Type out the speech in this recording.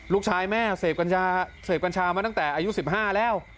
ลูกชายแม่เสพกัญชาเสพกัญชามาตั้งแต่อายุสิบห้าแล้ว